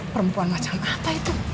perempuan macam apa itu